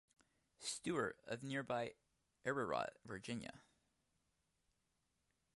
Stuart, of nearby Ararat, Virginia.